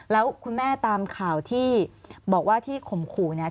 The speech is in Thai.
แล้วคุณแม่ตามข่าวที่บอกว่าที่ข่มขู่เนี่ย